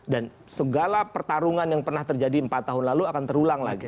dan segala pertarungan yang pernah terjadi empat tahun lalu akan terulang lagi